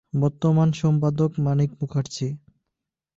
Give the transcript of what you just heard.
বর্তমান সম্পাদক মানিক মুখার্জী।